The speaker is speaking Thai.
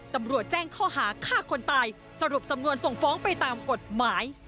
ตำรวจแจ้งข้อหาฆ่าคนตายสรุปสำนวนส่งฟ้องไปตามกฎหมาย